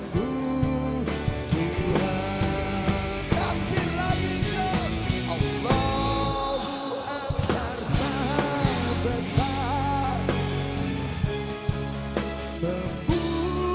kalau dia ini sudah bangun